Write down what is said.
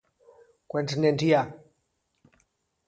Quants nens hi ha?